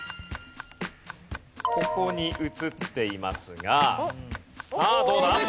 ここに映っていますがさあどうだ？